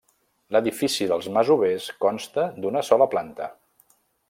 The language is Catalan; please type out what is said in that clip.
L'edifici dels masovers consta d'una sola planta.